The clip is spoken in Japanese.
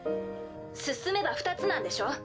進めば２つなんでしょ？